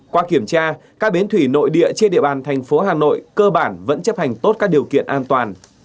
qua kiểm tra các bến thủy nội địa trên địa bàn thành phố hà nội cơ bản vẫn chấp hành tốt các điều kiện an toàn